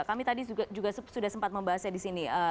kami tadi juga sudah sempat membahasnya disini